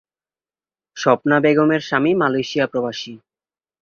স্বপ্না বেগমের স্বামী মালয়েশিয়াপ্রবাসী।